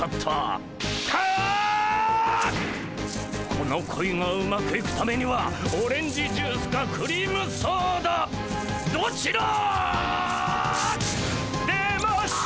この恋がうまくいくためにはオレンジジュースかクリームソーダどちら。出ました！